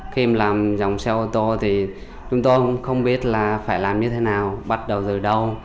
khi làm dòng xe ô tô thì chúng tôi cũng không biết là phải làm như thế nào bắt đầu từ đâu